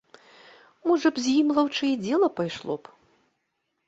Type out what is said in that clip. Можа б з ім лаўчэй дзела пайшло б?!